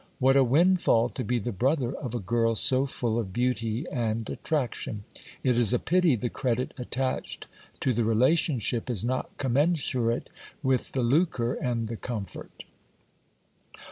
What a windfall to be the brother of a girl so full of beauty and attraction ! It is a pity the credit attached to the relationship is not com mensurate with the lucre and the comfort.